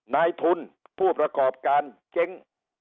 นายทุนผู้ประกอบการเจ๊ง